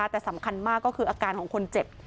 แต่สำคัญมากก็คืออาการของคนเจ็บ